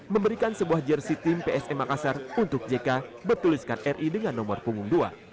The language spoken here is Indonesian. memberikan sebuah jersi tim psm makassar untuk jk bertuliskan ri dengan nomor punggung dua